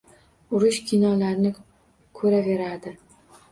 Urush kinolarini koʻraveradi.